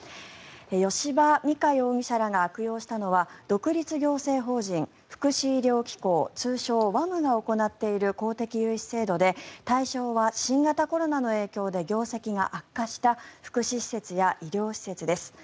吉羽美華容疑者らが悪用したのは独立行政法人福祉医療機構通称・ＷＡＭが行っている公的融資制度で対象は新型コロナの影響で業績が悪化した福祉施設や医療施設です。